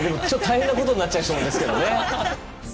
ちょっと大変なことになっちゃいそうですけどね。